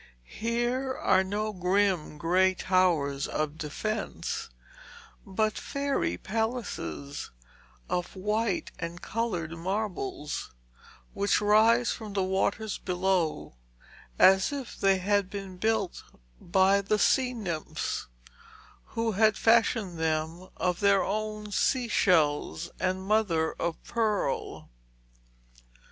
Here are no grim grey towers of defence, but fairy palaces of white and coloured marbles, which rise from the waters below as if they had been built by the sea nymphs, who had fashioned them of their own sea shells and mother of pearl.